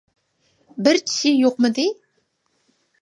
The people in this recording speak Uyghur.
- بىر چىشى يوقمىدى؟